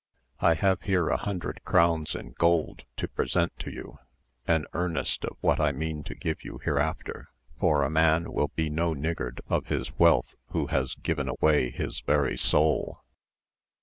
I have here a hundred crowns in gold to present to you, as earnest of what I mean to give you hereafter; for a man will be no niggard of his wealth who has given away his very soul."